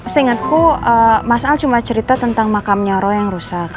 seingatku mas al cuma cerita tentang makamnya roh yang rusak